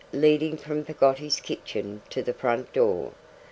leading from Peggotty's kitchen to the front door.